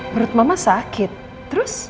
perut mama sakit terus